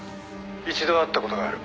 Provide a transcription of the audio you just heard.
「一度会った事がある。